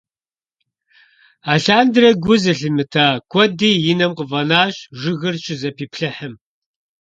Алъандэрэ гу зылъимыта куэди и нэм къыфӀэнащ жыгыр щызэпиплъыхьым.